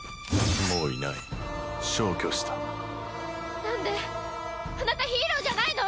もういない。